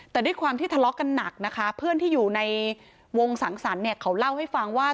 แต่ด้วยความที่ทะเลาะกันหนักนะคะเพื่อนที่อยู่ในวงสังสรรค์เนี่ยเขาเล่าให้ฟังว่า